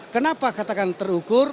kenapa katakan terukur